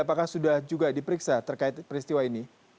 apakah sudah juga diperiksa terkait peristiwa ini